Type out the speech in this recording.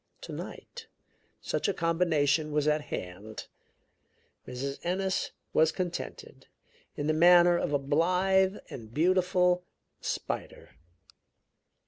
Tonight such a combination was at hand. Mrs. Ennis was contented, in the manner of a blithe and beautiful spider.